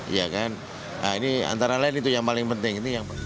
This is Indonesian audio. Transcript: ya kan ini antara lain itu yang paling penting